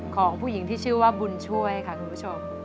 ของผู้หญิงที่ชื่อว่าบุญช่วยค่ะคุณผู้ชม